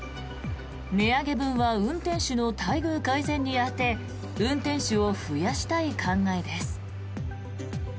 値上げ分は運転手の待遇改善に充て運転手を増やしたい考えです。